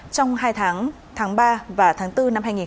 trong hai tháng tháng ba và tháng bốn